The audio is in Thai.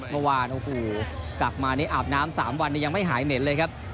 เมื่อวานโอ้โหกลับมานี่อาบน้ำ๓วันนี้ยังไม่หายเหม็นเลยครับ